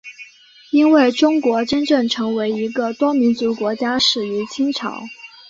因为中国真正成为一个多民族国家始于清朝。